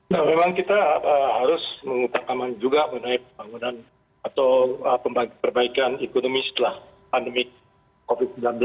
nah memang kita harus mengutamakan juga mengenai pembangunan atau perbaikan ekonomi setelah pandemi covid sembilan belas